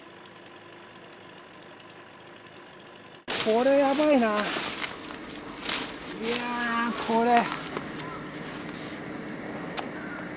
これやばいないやあこれ。